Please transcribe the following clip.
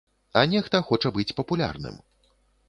А нехта хоча быць папулярным.